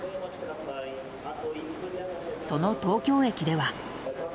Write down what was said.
その東京駅では。